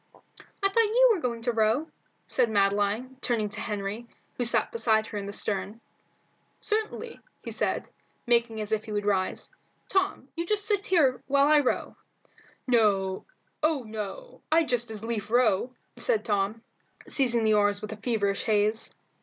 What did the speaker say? "I thought you were going to row?" said Madeline, turning to Henry, who sat beside her in the stern. "Certainly," said he, making as if he would rise. "Tom, you just sit here while I row." "Oh no, I'd just as lief row," said Tom, seizing the oars with feverish haste.